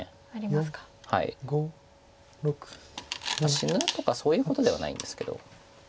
死ぬとかそういうことではないんですけど。